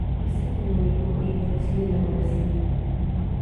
Es económico y de fácil elaboración.